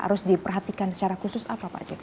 harus diperhatikan secara khusus apa pak jk